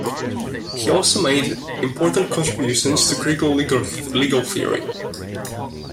He also made important contributions to critical legal theory.